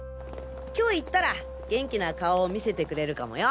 今日行ったら元気な顔を見せてくれるかもよ？